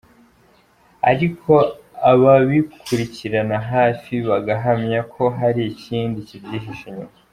Ariko ababikurikiranira hafi bagahamya ko hari ikindi kibyihishe inyuma.